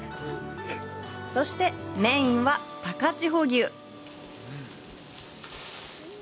そして、メインは高千穂牛。